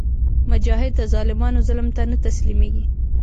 مجاهد د ظالمانو ظلم ته نه تسلیمیږي.